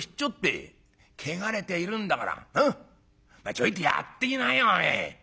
ちょいとやっていきなよお前」。